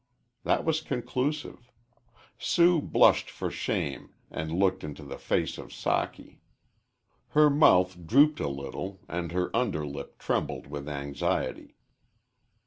That was conclusive. Sue blushed for shame and looked into the face of Socky. Her mouth drooped a little and her under lip trembled with anxiety.